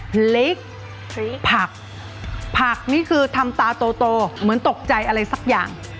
พริกผักผักนี่คือทำตาโตเหมือนตกใจอะไรสักอย่าง